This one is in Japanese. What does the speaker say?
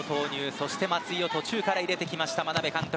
そして、松井を途中から入れてきた眞鍋監督。